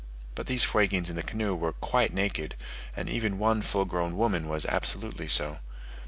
But these Fuegians in the canoe were quite naked, and even one full grown woman was absolutely so.